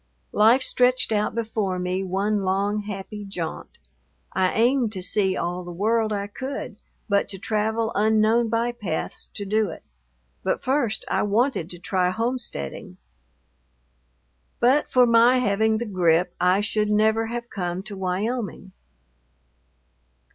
Life stretched out before me one long, happy jaunt. I aimed to see all the world I could, but to travel unknown bypaths to do it. But first I wanted to try homesteading. But for my having the grippe, I should never have come to Wyoming.